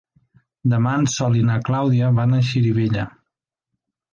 Demà en Sol i na Clàudia van a Xirivella.